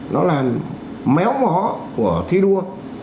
nó làm méo mó của thi đua